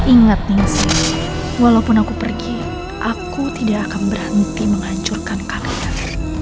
ingat ningsi walaupun aku pergi aku tidak akan berhenti menghancurkan kaki